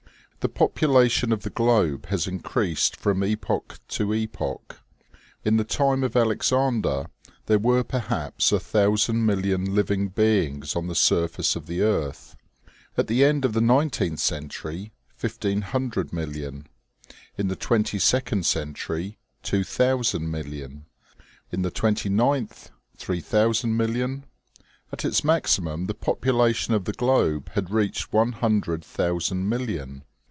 The population of the globe has increased from epoch to epoch. In the time of Alexander there were perhaps a thousand million living beings on the surface of the earth. At the end of the nineteenth century fifteen hundred million ; in the twenty second century two thousand million ; in the twenty ninth three thousand million ; at its maximum 222 OMEGA. the population of the globe had reached one hundred thousand million.